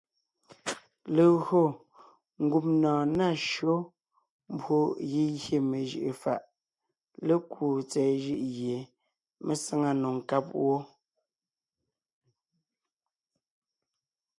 Legÿo ngumnɔɔn ná shÿó mbwó gígyé mejʉʼʉ fàʼ lékúu tsɛ̀ɛ jʉʼ gie mé sáŋa nò nkáb wó.